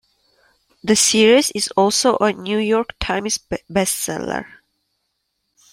The series is also a "New York Times" bestseller.